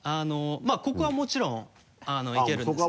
まぁここはもちろんいけるんですけど。